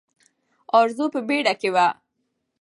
ارزو په بیړه کې وه.